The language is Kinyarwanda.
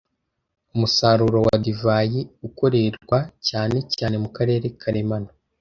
Umusaruro wa divayi ukorerwa cyane cyane mukarere karemano